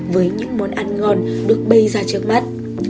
với những món ăn ngon được bày ra trước mắt